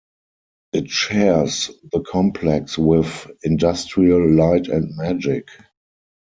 It shares the complex with Industrial Light and Magic.